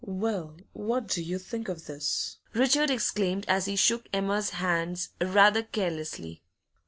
'Well, what do you think of this?' Richard exclaimed as he shook Emma's hands rather carelessly.